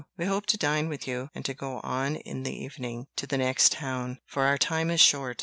We hope to dine with you, and to go on in the evening to the next town, for our time is short.